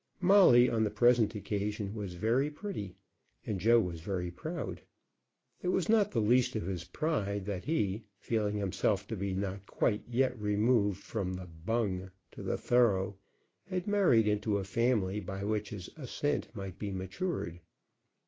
Molly, on the present occasion, was very pretty, and Joe was very proud. It was not the least of his pride that he, feeling himself to be not quite as yet removed from the "Bung" to the "Thorough," had married into a family by which his ascent might be matured.